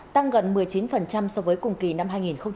tăng gần một mươi chín so với cùng kỳ năm hai nghìn một mươi tám